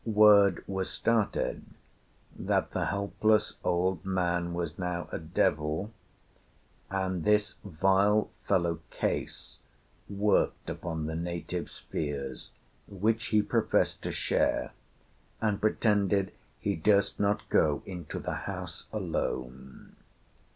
Word was started that the helpless old man was now a devil, and this vile fellow Case worked upon the natives' fears, which he professed to share, and pretended he durst not go into the house alone.